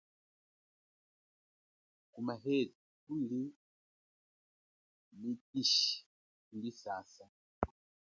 Kumahethu kuli mikishi akulisasa.